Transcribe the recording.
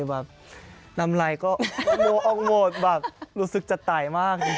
แบบน้ำไลน์ก็รู้ออกหมดแบบรู้สึกจะตายมากจริง